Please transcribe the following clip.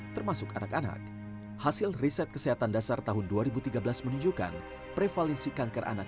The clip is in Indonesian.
termasuk anak anak hasil riset kesehatan dasar tahun dua ribu tiga belas menunjukkan prevalensi kanker anak